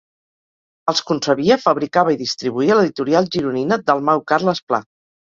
Els concebia, fabricava i distribuïa l'editorial gironina Dalmau Carles Pla.